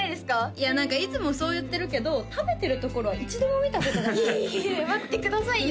いや何かいつもそう言ってるけど食べてるところは一度も見たことがないいやいや待ってくださいよ